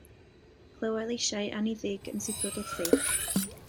Clywai leisiau anniddig yn sibrwd wrthi.